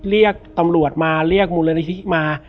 เรียกตำรวจมาเรียกมูลนิธิมา